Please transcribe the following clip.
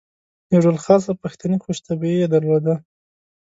یو ډول خاصه پښتني خوش طبعي یې درلوده.